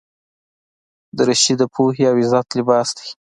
دریشي د پوهې او عزت لباس دی.